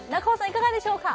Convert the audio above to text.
いかがでしょうか？